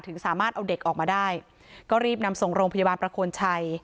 สามารถเอาเด็กออกมาได้ก็รีบนำส่งโรงพยาบาลประโคนชัย